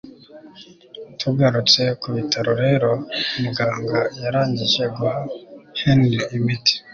Tugarutse kubitaro rero muganga yarangije guha Henry imiti